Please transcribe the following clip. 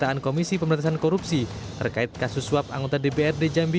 akan memberikan bantuan hukum atas kasus yang diadapi zumi